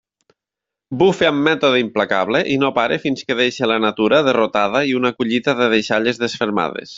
Bufa amb mètode implacable i no para fins que deixa la natura derrotada i una collita de deixalles desfermades.